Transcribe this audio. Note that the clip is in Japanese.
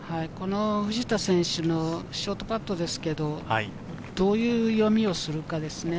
藤田選手のショートパットですけれど、どういう読みをするかですね。